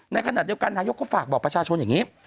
ในขณะเดียวกันนายกก็ฝากบอกประชาชนอย่างนี้